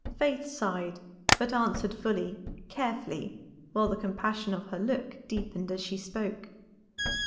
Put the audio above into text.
Faith sighed, but answered fully, carefully, while the compassion of her look deepened as she spoke.